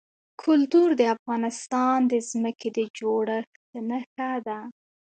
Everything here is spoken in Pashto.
کلتور د افغانستان د ځمکې د جوړښت نښه ده.